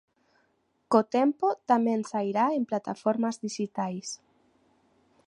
Co tempo tamén sairá en plataformas dixitais.